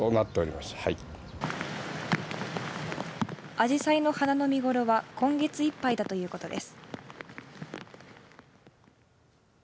アジサイの花の見頃は今月いっぱいだということです。